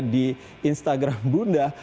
di instagram bunda